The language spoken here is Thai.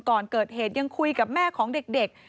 ก่อนเกิดเหตุยังคุยกับแม่ของเด็ก